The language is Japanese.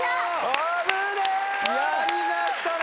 やりましたね！